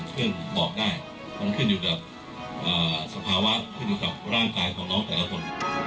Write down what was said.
ซึ่งบอกได้มันขึ้นอยู่กับสภาวะขึ้นอยู่กับร่างกายของน้องแต่ละคน